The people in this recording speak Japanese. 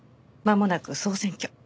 まもなく総選挙。